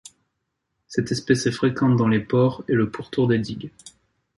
Cette espèce est fréquente dans les ports et le pourtour des digues.